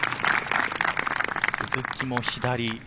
鈴木も左。